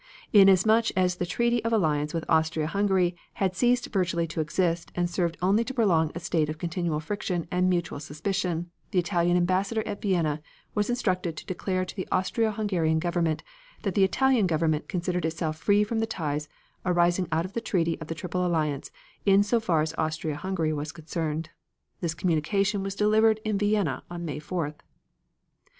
"Inasmuch as the treaty of alliance with Austria Hungary had ceased virtually to exist and served only to prolong a state of continual friction and mutual suspicion, the Italian Ambassador at Vienna was instructed to declare to the Austro Hungarian Government that the Italian Government considered itself free from the ties arising out of the treaty of the Triple Alliance in so far as Austria Hungary was concerned. This communication was delivered in Vienna on May 4th.